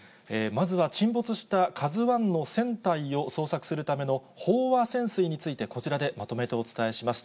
まずは沈没したＫＡＺＵＩの船体を捜索するための飽和潜水について、こちらでまとめてお伝えします。